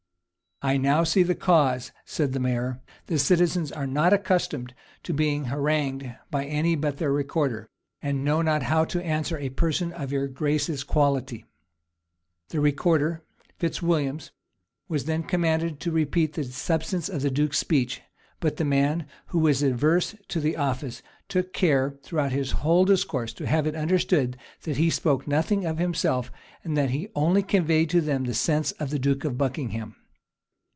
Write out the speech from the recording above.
"I now see the cause," said the mayor; "the citizens are not accustomed to be harangued by any but their recorder; and know not how to answer a person of your grace's quality." The recorder, Fitz Williams, was then commanded to repeat the substance of the duke's speech; but the man, who was averse to the office, took care, throughout his whole discourse, to have it understood that he spoke nothing of himself, and that he only conveyed to them the sense of the duke of Buckingham.